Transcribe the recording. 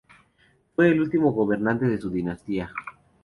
Fue el último gobernante de su dinastía.